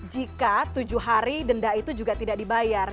jika tujuh hari denda itu juga tidak dibayar